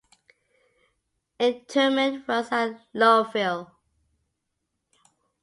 Interment was at Lowville.